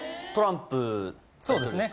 そうですね。